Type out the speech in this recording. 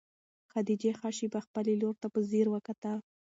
خدیجې ښه شېبه خپلې لور ته په ځیر وکتل.